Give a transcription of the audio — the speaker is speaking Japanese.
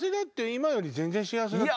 今より全然幸せだったよ。